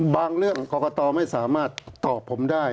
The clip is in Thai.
บางเรื่องปปชไม่สามารถตอบผมได้